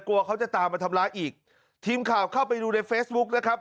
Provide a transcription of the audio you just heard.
กลัวเขาจะตามมาทำร้ายอีกทีมข่าวเข้าไปดูในเฟซบุ๊กนะครับ